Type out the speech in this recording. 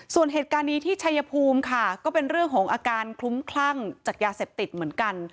ส่วนเหตุการณ์นี้ที่ชัยภูมิค่ะก็เป็นเรื่องของอาการคลุ้มคลั่งจากยาเสพติดเหมือนกัน